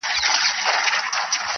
په زارۍ به یې خیرات غوښت له څښتنه-